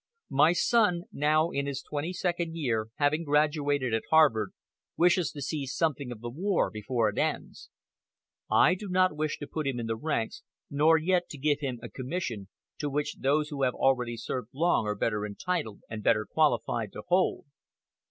My son, now in his twenty second year, having graduated at Harvard, wishes to see something of the war before it ends. I do not wish to put him in the ranks, nor yet to give him a commission, to which those who have already served long are better entitled, and better qualified to hold.